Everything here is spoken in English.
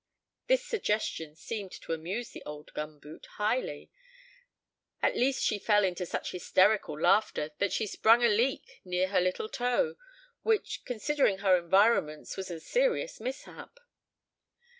This suggestion seemed to amuse the old gum boot highly; at least she fell into such hysterical laughter that she sprung a leak near her little toe, which, considering her environments, was a serious mishap.